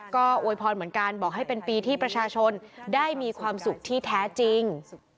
ก็โวยพรเหมือนกันบอกให้เป็นปีที่ประชาชนได้มีความสุขที่แท้จริง